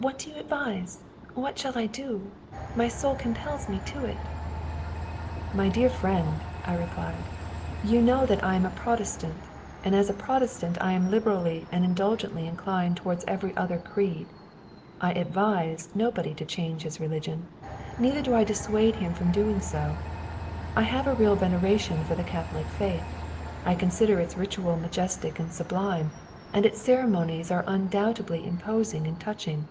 "What do you advise? What shall I do? My soul compels me to it." "My dear friend," I replied, "you know that I am a Protestant and as a Protestant I am liberally and indulgently inclined towards every other creed. I advise nobody to change his religion, neither do I dissuade him from so doing. I have a real veneration for the Catholic faith. I consider its ritual majestic and sublime, and its ceremonies are undoubtedly imposing and touching.